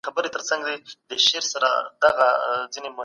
فابریکي ډیر توکي تولیدوي.